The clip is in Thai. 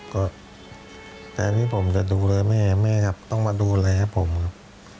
ก็แทนที่ผมจะดูเลยแม่ครับต้องมาดูแลครับผม